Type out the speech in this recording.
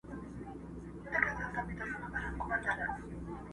څه پروا ده له هجرانه ستا له یاده مستانه یم٫